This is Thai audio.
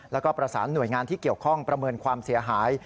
แล้วก็ประสานหน่วยงานที่เกี่ยวข้องประเมินความเสียหาย